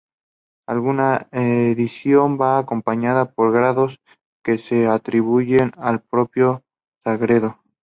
Alguna edición va acompañada por grabados que se atribuyen al propio Sagredo.